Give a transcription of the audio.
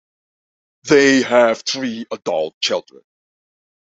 They have three adult children.